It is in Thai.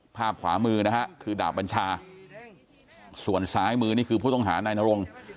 ภาพขวามือนะฮะคือดาบบัญชาส่วนซ้ายมือนี่คือผู้ต้องหานายนรง